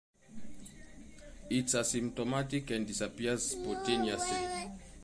It’s asymptomatic and disappears spontaneously.